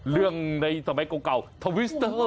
เรื่องในสมัยเก่าทวิสเตอร์